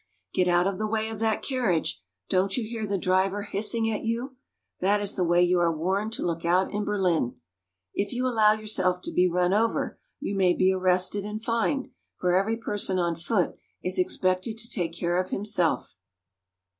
BERLIN. 213 Get out of the way of that carriage ! Don't you hear the driver hissing at you ? That is the way you are warned to look out in Berlin. If you allow yourself to be run over, you may be arrested and fined, for every person on foot is expected to take care of himself.